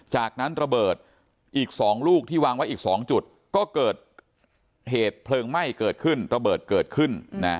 จากนั้นระเบิดอีก๒ลูกที่วางไว้อีก๒จุดก็เกิดเหตุเพลิงไหม้เกิดขึ้นระเบิดเกิดขึ้น